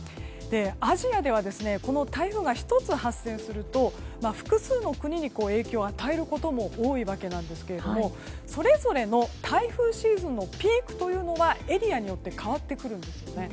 アジアではこの台風が１つ発生すると複数の国に影響を与えることも多いんですけどもそれぞれの台風シーズンのピークはエリアによって変わってくるんですね。